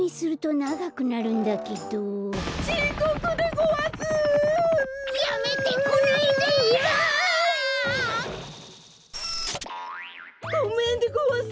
ごめんでごわす。